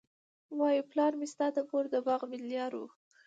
وايي پلار مي ستا د مور د باغ ملیار وو